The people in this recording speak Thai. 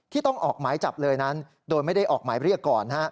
ต้องออกหมายจับเลยนั้นโดยไม่ได้ออกหมายเรียกก่อน